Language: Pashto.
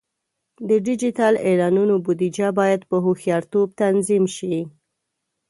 د ډیجیټل اعلانونو بودیجه باید په هوښیارتوب تنظیم شي.